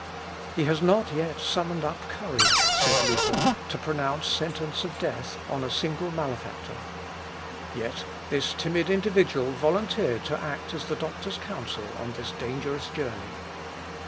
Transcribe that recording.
"He has not yet summoned up courage," said Luther, "to pronounce sentence of death on a single malefactor." Yet this timid individual volunteered to act as the doctor's counsel on this dangerous journey.